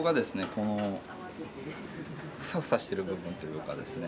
このフサフサしてる部分というかですね。